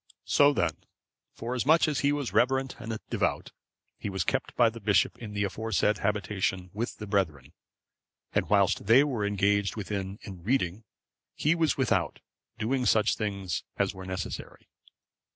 So then, forasmuch as he was reverent and devout, he was kept by the bishop in the aforesaid habitation with the brethren, and whilst they were engaged within in reading, he was without, doing such things as were necessary.